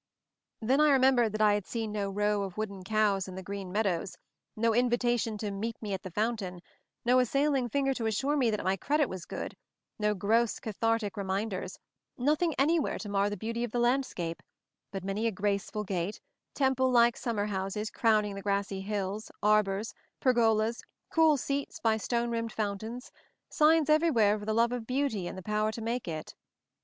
Then I remembered that I had seen no row of wooden cows in the green meadows, no invitation to "meet me at the fountain," no assailing finger to assure me that my credit was good, no gross cathartic remind ers, nothing anywhere to mar the beauty of the landscape; but many a graceful gate, temple like summer houses crowning the grassy hills, arbors, pergolas, cool seats by stone rimmed fountains, signs everywhere of the love of beauty and the power to make it.